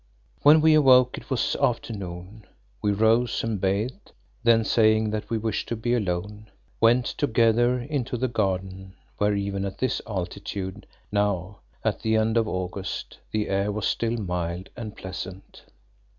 When we awoke it was afternoon. We rose and bathed, then saying that we wished to be alone, went together into the garden where even at this altitude, now, at the end of August, the air was still mild and pleasant.